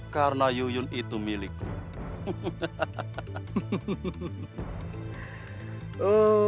karena yuyun itu milikku